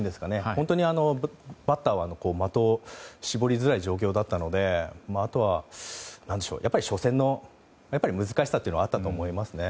本当にバッターは的を絞りづらい状況だったのであとは、初戦の難しさというのはあったと思いますね。